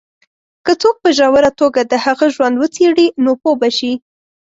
که څوک په ژوره توګه د هغه ژوند وڅېـړي، نو پوه به شي.